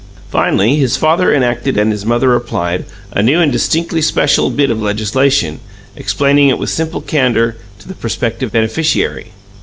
Finally, his father enacted, and his mother applied, a new and distinctly special bit of legislation, explaining it with simple candour to the prospective beneficiary.